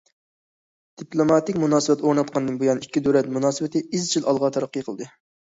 دىپلوماتىك مۇناسىۋەت ئورناتقاندىن بۇيان، ئىككى دۆلەت مۇناسىۋىتى ئىزچىل ئالغا تەرەققىي قىلدى.